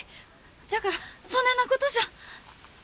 じゃからそねえなことじゃ。